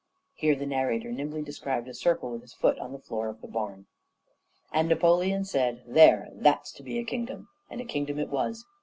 Here the narrator nimbly described a circle with his foot on the floor of the barn. "And Napoleon said, 'There, that's to be a kingdom.' And a kingdom it was.